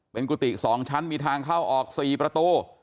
เป็นกุฏิ๒ชั้นมีทางเข้าออก๔ประตู